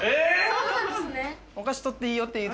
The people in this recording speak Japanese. そうなんですね。